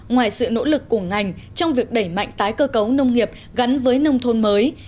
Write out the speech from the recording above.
ngoài sự nỗ lực của ngành trong việc đẩy mạnh tái cơ cấu nông nghiệp gắn với nông thôn mới